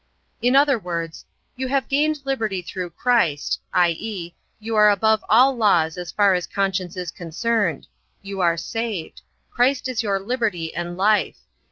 In other words: "You have gained liberty through Christ, i.e., You are above all laws as far as conscience is concerned. You are saved. Christ is your liberty and life.